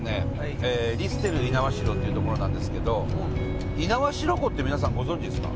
リステル猪苗代という所なんですけど猪苗代湖って皆さんご存じですか？